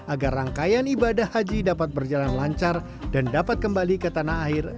agar rangkaian ibadah haji dapat berjalan lancar dan dapat kembali ke tanah air